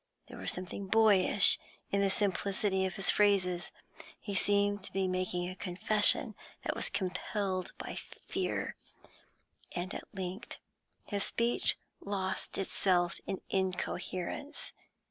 There was something boyish in the simplicity of his phrases; he seemed to be making a confession that was compelled by fear, and at length his speech lost itself in incoherence.